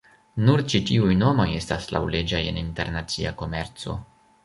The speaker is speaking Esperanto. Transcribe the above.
Nur ĉi-tuj nomoj estas laŭleĝaj en internacia komerco.